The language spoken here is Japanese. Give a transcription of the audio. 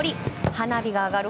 花火上がる